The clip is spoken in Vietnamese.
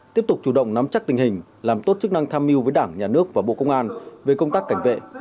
tiếp tục chủ động nắm chắc tình hình làm tốt chức năng tham mưu với đảng nhà nước và bộ công an về công tác cảnh vệ